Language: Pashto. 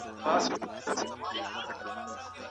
دا جملې د اسدالله غضنفر له لیکنې څخه اخیستل شوي دي.